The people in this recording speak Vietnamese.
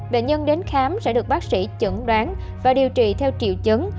bệnh nhân đến khám sẽ được bác sĩ chẩn đoán và điều trị theo triệu chứng